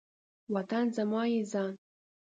وطن زما یی ځان